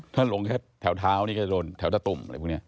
ถ้าลงแค่แถวเท้านี่ก็จะโดนแถวตะตุ่ม